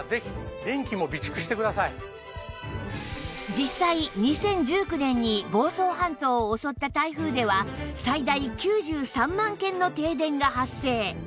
実際２０１９年に房総半島を襲った台風では最大９３万軒の停電が発生